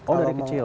oh dari kecil